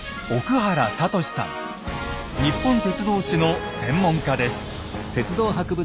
日本鉄道史の専門家です。